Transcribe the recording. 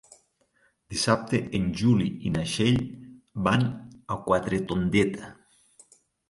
Dissabte en Juli i na Txell van a Quatretondeta.